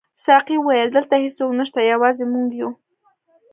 ساقي وویل: دلته هیڅوک نشته، یوازې موږ یو.